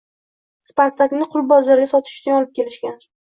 Spartakni qul bozoriga sotish uchun olib kelishgan.